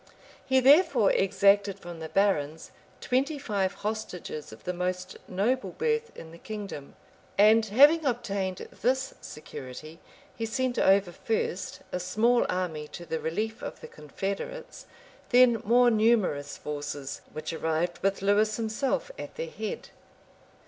He therefore exacted from the barons twenty five hostages of the most noble birth in the kingdom; and having obtained this security, he sent over first a small army to the relief of the confederates; then more numerous forces, which arrived with Lewis himself at their head.